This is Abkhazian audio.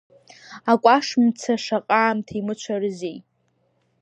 Акәаш-мца шаҟа аамҭа имыцәарызеи!